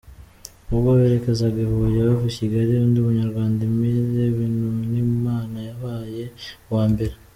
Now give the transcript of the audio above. Ubwo berekezaga i Huye bava Kigali, undi munyarwanda Emile Bintunimana yabaye uwa mbere.